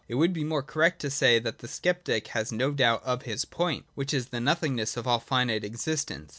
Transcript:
It would be more correct to say that the Sceptic has no doubt of his point, which is the nothingness of all finite existence.